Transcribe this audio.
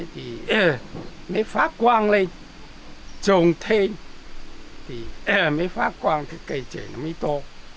thì mới phá quang lên trồng thêm thì mới phá quang cây trẻ nó mới to